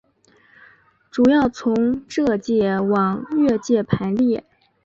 主要从浙界往粤界排列。